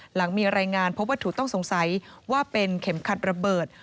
หลังมีรายงานพบวัตถุต้องสงสัยว่าเป็นเข็มขัดระเบิด